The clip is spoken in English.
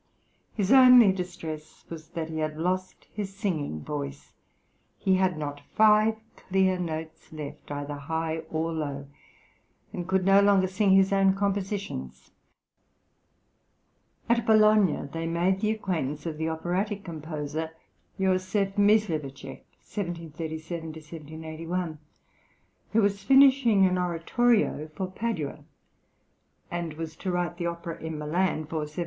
His only distress was that he had lost his singing voice; he had not five clear notes left, either high or low, and could no longer sing his own compositions. At Bologna they made the acquaintance of the operatic composer, Joh. Misliweczeck (1737 1781), who was finishing an oratorio for Padua, and was to write the opera in Milan for 1772.